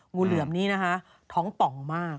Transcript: งูเหลือมนี้นะคะท้องป่องมาก